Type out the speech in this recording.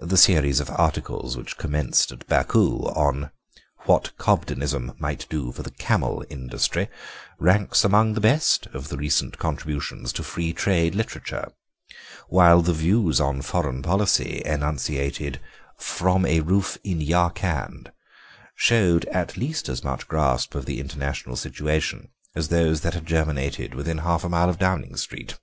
The series of articles which commenced at Baku on 'What Cobdenism might do for the camel industry' ranks among the best of the recent contributions to Free Trade literature, while the views on foreign policy enunciated 'from a roof in Yarkand' showed at least as much grasp of the international situation as those that had germinated within half a mile of Downing Street.